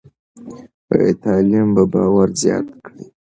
تعلیم به باور زیات کړي.